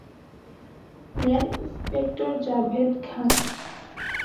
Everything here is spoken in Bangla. Ma'am, inspector Javed Khan.